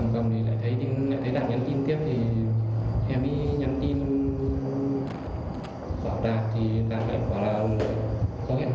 bọn em ở giường mà em lại thấy tin nhắn đến thì em ý cầm